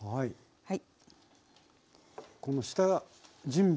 はい。